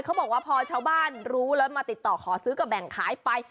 เขาบอกว่าพอชาวบ้านรู้แล้วมาติดต่อขอซื้อก็แบ่งขายไป